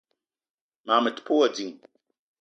Mag me te pe wa ding.